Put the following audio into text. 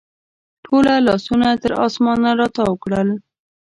ټوله لاسونه یې تر اسمان راتاو کړل